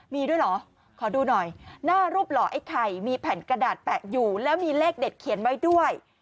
มีด้วยเหรอขอดูหน่อยหน้ารูปหล่อไอ้ไข่มีแผ่นกระดาษแปะอยู่แล้วมีเลขเด็ดเขียนไว้ด้วย